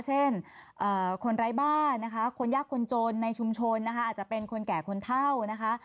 เช่นคนไร้บ้านนะคะคนยากคนจนในชุมชนนะคะอาจจะเป็นคนแก่คนเท่านะคะ